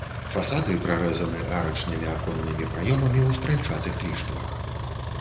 Фасады прарэзаны арачнымі аконнымі праёмамі ў стральчатых ліштвах.